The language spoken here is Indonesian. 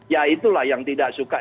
ya itulah yang tidak suka